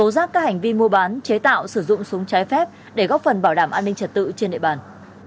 để góp phần bảo đảm an ninh trật tự trên đại bàn